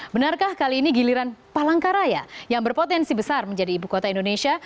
benarkah kali ini giliran palangkaraya yang berpotensi besar menjadi ibu kota indonesia